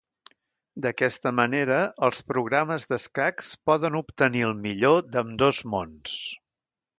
D'aquesta manera els programes d'escacs poden obtenir el millor d'ambdós mons.